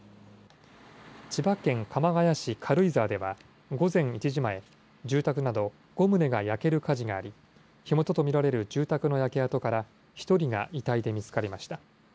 千葉県鎌ケ谷市軽井沢では午前１時前、住宅など、５棟が焼ける火事があり、火元と見られる住宅の焼け跡から１人が遺体で見つかりました。